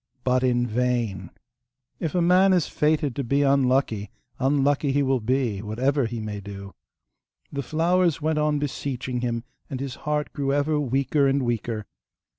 But in vain! If a man is fated to be unlucky, unlucky he will be, whatever he may do! The flowers went on beseeching him, and his heart grew ever weaker and weaker.